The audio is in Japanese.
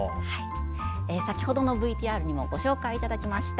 先ほどのＶＴＲでもご紹介いただきました